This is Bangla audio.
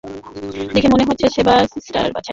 দেখে মনে হচ্ছে সেবাস্টিয়ান বাছাই করতে জানে।